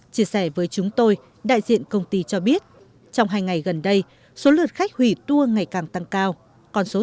chia sẻ với chúng tôi đại diện công ty cho biết trong hai ngày gần đây số lượt khách hủy tour ngày càng tăng cao